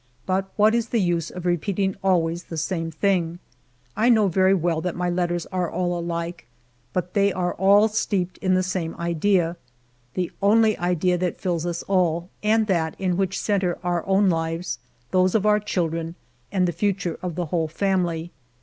... But what is the use of repeating always the same thing ? I know very well that my let ters are all alike, but they are all steeped in the same idea, — the only idea that fills us all, and that in which centre our own lives, those of our children, and the future of the whole family.